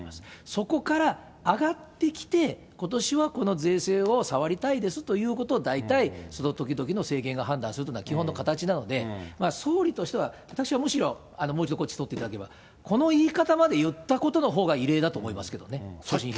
そこからあがってきて、ことしはこの税制を触りたいですということを、大体その時々の政権が判断するというのが基本の形なので、総理としては、私はむしろ、もう一度こっちとっていただければ、この言い方まで言ったことのほうが異例だと思いますけどね、所信表明で。